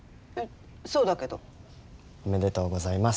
そうだけど。おめでとうございます。